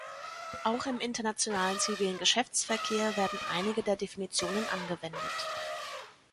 Auch im internationalen zivilen Geschäftsverkehr werden einige der Definitionen angewendet.